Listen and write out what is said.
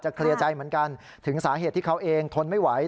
เคลียร์ใจเหมือนกันถึงสาเหตุที่เขาเองทนไม่ไหว